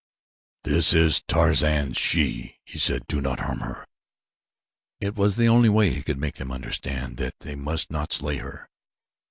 "This is Tarzan's she," he said. "Do not harm her." It was the only way he could make them understand that they must not slay her.